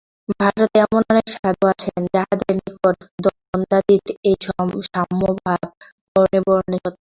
ভারতে এমন অনেক সাধু আছেন, যাঁহাদের নিকট দ্বন্দ্বাতীত এই সাম্যভাব বর্ণে বর্ণে সত্য।